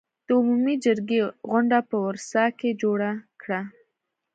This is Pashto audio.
د عمومي جرګې غونډه په ورسا کې جوړه کړه.